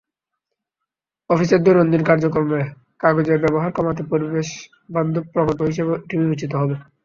অফিসের দৈনন্দিন কার্যক্রমে কাগজের ব্যবহার কমাতে পরিবেশবান্ধব প্রকল্প হিসেবেও এটি বিবেচিত হবে।